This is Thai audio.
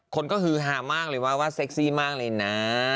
คนก็ฮือฮามากเลยว่าเซ็กซี่มากเลยนะ